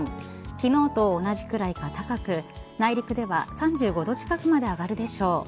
昨日と同じくらいか高く内陸では３５度近くまで上がるでしょう。